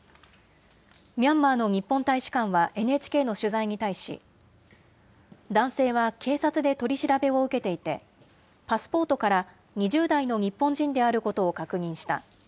ミャンマーの日本大使館はＮＨＫの取材に対し、男性は警察で取り調べを受けていて、パスポートから２０代の日本人であることを確認した。